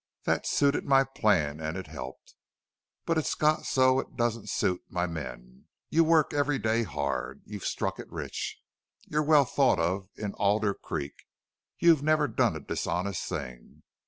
That suited my plan and it helped. But it's got so it doesn't suit my men. You work every day hard. You've struck it rich. You're well thought of in Alder Creek. You've never done a dishonest thing.